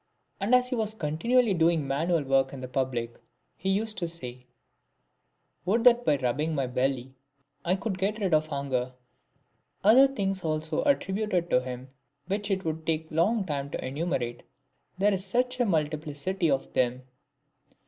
And as he was continually doing manual work in public, he said one day, " Would that by rubbing my belly I could get rid of hunger." Other sayings also are attributed to him, which it would take a long time to enumerate, there is such a multiplicity of them.